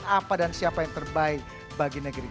apa dan siapa yang terbaik bagi negeri